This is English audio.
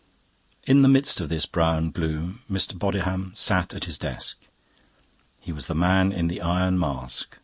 In the midst of this brown gloom Mr. Bodiham sat at his desk. He was the man in the Iron Mask.